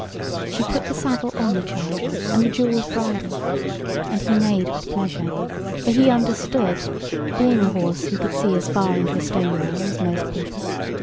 She put the saddle on the charger, and the jewelled bridle. And he neighed with pleasure, for he understood, being a horse who could see as far into a stone wall as most people.